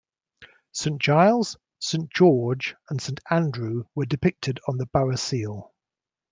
Saint Giles, Saint George and Saint Andrew were depicted on the borough seal.